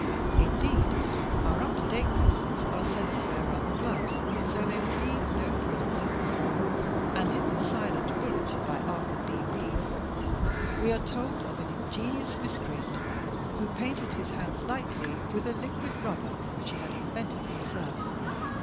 Indeed, our up to date criminals are said to wear rubber gloves so they will leave no prints. And in "The Silent Bullet," by Arthur B. Reeve, we are told of an ingenious miscreant who " painted his hands lightly with a liquid rubber which he had invented himself.